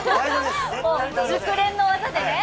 熟練の技でね。